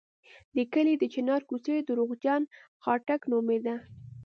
د کلي د چنار کوڅې درواغجن خاټک نومېده.